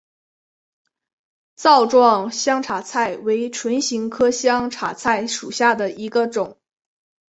帚状香茶菜为唇形科香茶菜属下的一个种。